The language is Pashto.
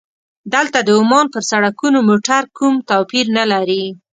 دلته د عمان پر سړکونو موټر کوم توپیر نه لري.